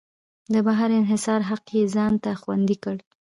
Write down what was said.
د بهر انحصار حق یې ځان ته خوندي کړ.